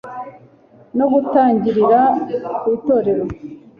no gutangirira ku itorero